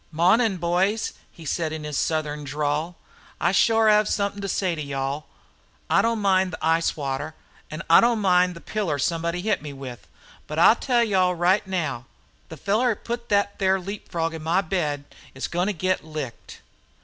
"Mawnin', boys," he said, in his Southern drawl. "I shore hev somethin' to say to yo' all. I don't mind about the ice water, an' I don't mind about the piller somebody hit me with, but I tell yo' all right hyar, the fellar who put thet there leap frog in mah bed is goin' to git licked!"